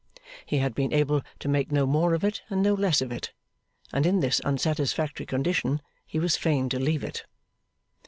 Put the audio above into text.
He had been able to make no more of it and no less of it, and in this unsatisfactory condition he was fain to leave it.